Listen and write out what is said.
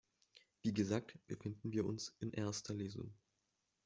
Wie gesagt, befinden wir uns in erster Lesung.